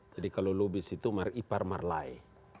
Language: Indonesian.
jadi kalau lubis itu ipar marlai